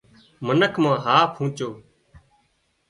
منک مان هاهَه پونچو